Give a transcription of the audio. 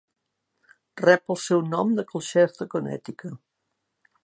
Rep el seu nom de Colchester, Connecticut.